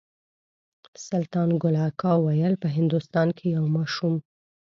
سلطان ګل اکا ویل په هندوستان کې یو ماشوم.